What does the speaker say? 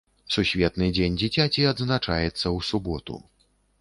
Сусветны дзень дзіцяці адзначаецца ў суботу.